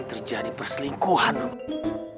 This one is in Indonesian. terjadi perselingkuhan rufus